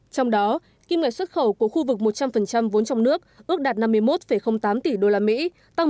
trong đó kinh nguyện xuất khẩu của khu vực một trăm linh vốn trong nước ước đạt năm mươi một tám tỷ đô la mỹ tăng một mươi bảy năm